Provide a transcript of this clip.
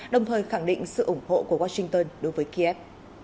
đồng thời khẳng định sự ủng hộ của washington đối với kiev